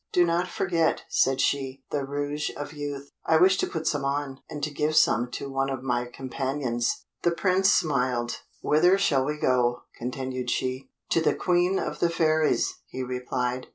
"Do not forget," said she, "the Rouge of Youth; I wish to put some on, and to give some to one of my companions." The Prince smiled. "Whither shall we go?" continued she. "To the Queen of the Fairies," he replied.